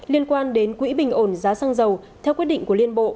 liên quan đến quỹ bình ổn giá xăng dầu theo quyết định của liên bộ